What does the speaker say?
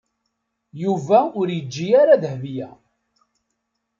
Yuba ur yeǧǧi ara Dahbiya.